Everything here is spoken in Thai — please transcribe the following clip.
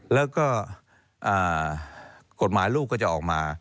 แล้วก็กฎหมายลูกก็จะออกมา